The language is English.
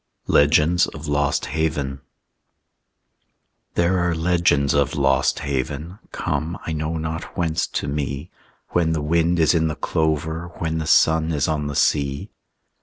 LEGENDS OF LOST HAVEN There are legends of Lost Haven, Come, I know not whence, to me, When the wind is in the clover, When the sun is on the sea.